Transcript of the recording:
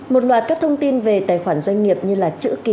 một loạt các thông tin về tài khoản doanh nghiệp như là chữ ký của trụ sở